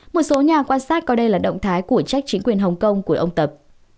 một số nhà quan sát coi đây là động thái của trách chính quyền hồng kông của ông tập